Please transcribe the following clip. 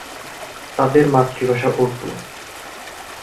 তাদের মাতৃভাষা উর্দু।